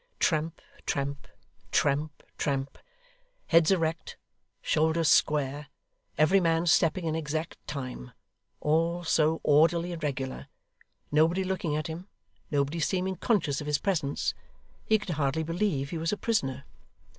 Tramp, tramp. Tramp, tramp. Heads erect, shoulders square, every man stepping in exact time all so orderly and regular nobody looking at him nobody seeming conscious of his presence, he could hardly believe he was a Prisoner.